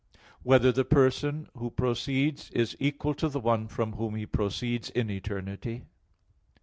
(2) Whether the person who proceeds is equal to the one from Whom He proceeds in eternity?